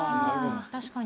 確かに。